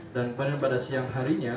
dan pada siang harinya